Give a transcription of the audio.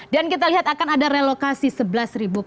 dan kita lihat akan ada relokasi sebelas karyawan